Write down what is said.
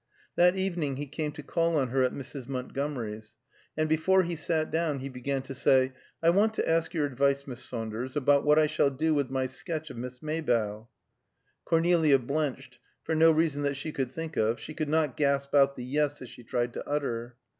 That evening he came to call on her at Mrs. Montgomery's, and before he sat down he began to say: "I want to ask your advice, Miss Saunders, about what I shall do with my sketch of Miss Maybough." Cornelia blenched, for no reason that she could think of; she could not gasp out the "Yes" that she tried to utter.